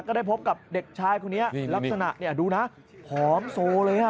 ก็ได้พบกับเด็กชายคนนี้ลักษณะดูนะผอมโซเลย